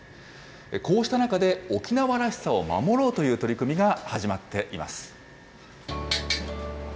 こうした中で、沖縄らしさを守ろうという取り組みが始まっています。